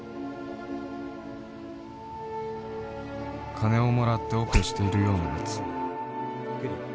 金をもらってオペしてるようなヤツ